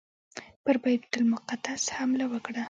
پر بیت المقدس حمله وکړه.